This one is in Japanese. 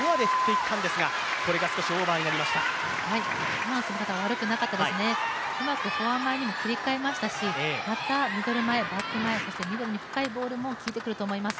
今の攻め方は悪くなかったですね、うまくフォア前にも切り替えましたし、そしてミドルに深いボールも効いてくると思います。